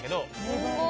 すごい。